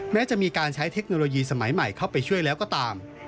แม้จะมีการใช้เทคโนโลยีสมัยใหม่เข้าไปช่วยแล้วก็ตาม